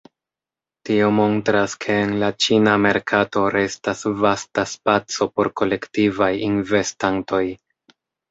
Tio montras ke en la ĉina merkato restas vasta spaco por kolektivaj investantoj.